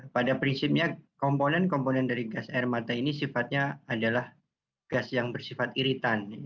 pada prinsipnya komponen komponen dari gas air mata ini sifatnya adalah gas yang bersifat iritan